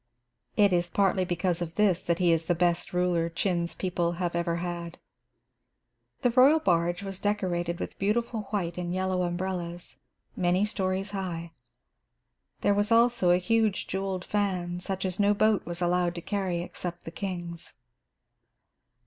It is partly because of this that he is the best ruler Chin's people have ever had. The royal barge was decorated with beautiful white and yellow umbrellas, many stories high. There was also a huge jewelled fan, such as no boat was allowed to carry except the king's.